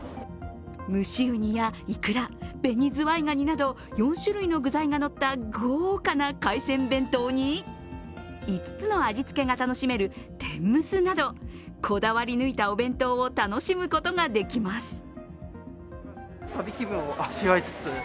蒸しうにやいくら、紅ずわいがになど４種類の具材がのった豪華な海鮮弁当に５つの味つけが楽しめる天むすなどこだわり抜いたお弁当を楽しむことができます。